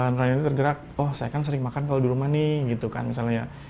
nelayan ini tergerak oh saya kan sering makan kalau di rumah nih gitu kan misalnya